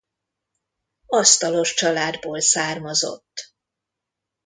Asztalos családból származott.